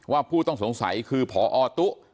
ว่าผู้ต้องสงสัยคือพอตู้